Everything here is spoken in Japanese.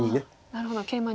なるほどケイマに。